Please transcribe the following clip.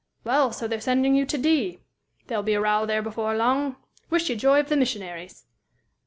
"Well, so they're sending you to D ? There'll be a row there before long. Wish you joy of the missionaries!"